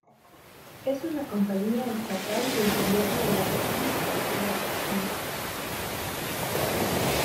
Es una compañía estatal del gobierno de la República Popular China.